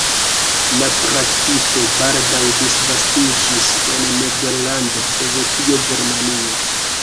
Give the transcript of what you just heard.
La praktiko baldaŭ disvastiĝis en Nederlando, Svedio, Germanio.